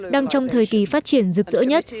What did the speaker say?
đang trong thời kỳ phát triển rực rỡ nhất